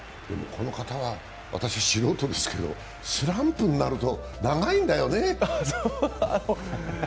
この方は、私、素人ですけど、スランプになると長いんだよね。